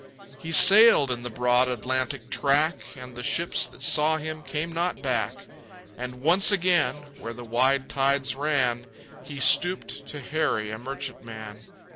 He sailed in the broad Atlantic track, And the ships that saw him came not back. And once again, where the wide tides ran, He stooped to harry a merchantman.